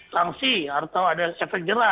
sanksi atau ada efek jerah